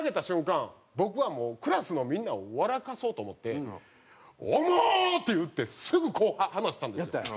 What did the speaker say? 僕はもうクラスのみんなを笑かそうと思って「重っ！」って言ってすぐこう離したんですよ。